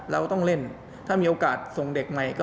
เราต้องเล่นถ้ามีโอกาสส่งเด็กใหม่